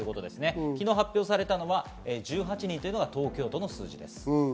昨日発表されたのは１８人という東京都の数字です。